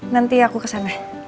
nanti aku ke sana